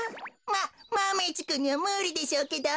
まっマメ１くんにはむりでしょうけど。